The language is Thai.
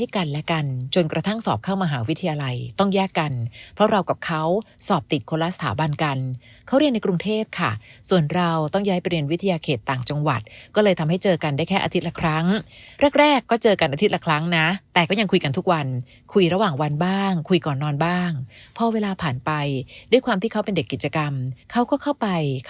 กันจนกระทั่งสอบเข้ามาหาวิทยาลัยต้องแยกกันเพราะเรากับเขาสอบติดคนละสถาบันกันเขาเรียนในกรุงเทพค่ะส่วนเราต้องย้ายไปเรียนวิทยาเขตต่างจังหวัดก็เลยทำให้เจอกันได้แค่อาทิตย์ละครั้งแรกก็เจอกันอาทิตย์ละครั้งนะแต่ก็ยังคุยกันทุกวันคุยระหว่างวันบ้างคุยก่อนนอนบ้างเพราะเวลาผ่